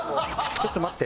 ちょっと待って。